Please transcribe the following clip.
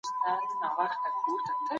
د توحيد رڼا په علم کي پټه ده.